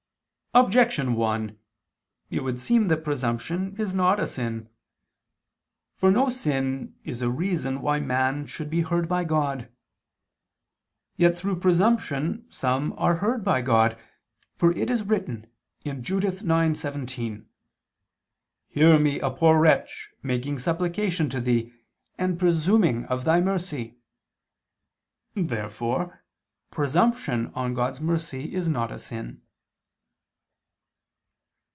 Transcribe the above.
Objection 1: It would seem that presumption is not a sin. For no sin is a reason why man should be heard by God. Yet, through presumption some are heard by God, for it is written (Judith 9:17): "Hear me a poor wretch making supplication to Thee, and presuming of Thy mercy." Therefore presumption on God's mercy is not a sin.